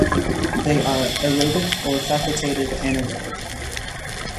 They are aerobic or facultative anaerobic.